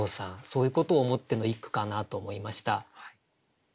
そういうことを思っての一句かなと思いました。